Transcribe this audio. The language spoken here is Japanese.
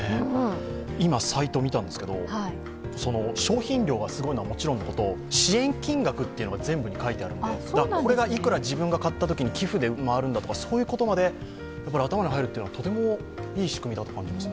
今サイト見たんですけど、商品量がすごいのはもちろんのこと、支援金額というのが全部に書いてあるのでこれが幾ら、自分が買ったときに寄付で回るんだと分かるので頭に入るというのは、とてもいい仕組みだと感じました。